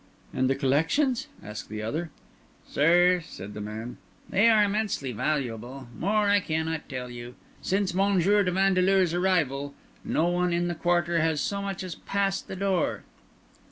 "And the collections?" asked the other. "Sir," said the man, "they are immensely valuable. More I cannot tell you. Since M. de Vandeleur's arrival no one in the quarter has so much as passed the door."